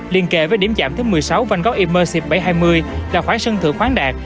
liên kệ với điểm chạm thứ một mươi sáu van gogh immersive bảy trăm hai mươi là khoảng sân thượng khoáng đạt